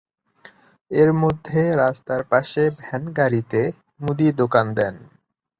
এর মধ্যে রাস্তার পাশে ভ্যান গাড়িতে মুদি দোকান দেন।